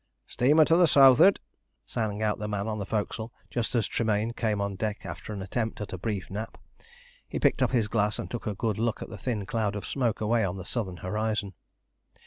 "Steamer to the south'ard!" sang out the man on the forecastle, just as Tremayne came on deck after an attempt at a brief nap. He picked up his glass, and took a good look at the thin cloud of smoke away on the southern horizon.